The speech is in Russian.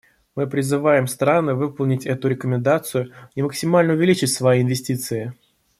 Мы призываем страны выполнить эту рекомендацию и максимально увеличить свои инвестиции.